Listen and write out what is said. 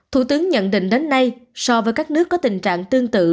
thủ tướng nhận định đến nay so với các nước có tình trạng tương tự